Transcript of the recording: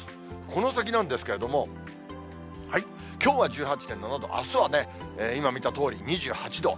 この先なんですけれども、きょうは１８．７度、あすはね、今見たとおり、２８度。